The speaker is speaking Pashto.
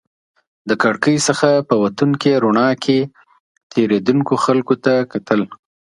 د کړکۍ څخه په وتونکې رڼا کې تېرېدونکو خلکو ته کتل.